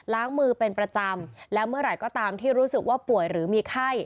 ล้างมือเป็นประจำแล้วเมื่อไหร่ก็ตามที่รู้สึกว่าป่วยหรือมีไข้